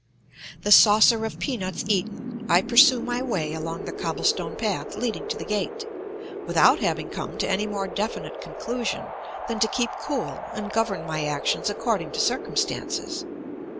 The saucer of peanuts eaten, I pursue my way along the cobblestone path leading to the gate, without having come to any more definite conclusion than to keep cool and govern my actions according to circumstances.